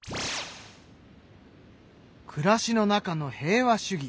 暮らしの中の平和主義